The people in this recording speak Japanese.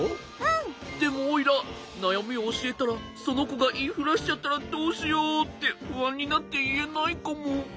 でもおいらなやみをおしえたらそのこがいいふらしちゃったらどうしようってふあんになっていえないかも。